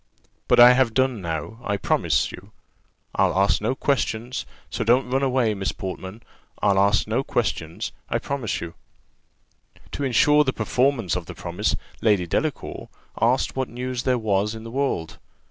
But I have done now, I promise you; I'll ask no questions: so don't run away, Miss Portman; I'll ask no questions, I promise you." To ensure the performance of the promise, Lady Delacour asked what news there was in the world?